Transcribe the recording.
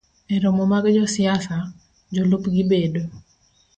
E romo mag josiasa, jolupgi bedo